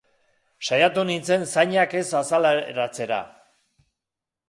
Saiatu nintzen zainak ez azaleratzera.